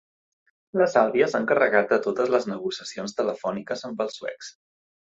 La Sàlvia s'ha encarregat de totes les negociacions telefòniques amb els suecs.